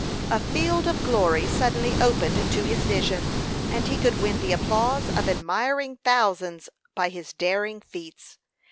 A field of glory suddenly opened to his vision, and he could win the applause of admiring thousands by his daring feats.